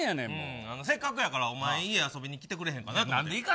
せっかくやから、お前家に遊びに来てくれへんかなと。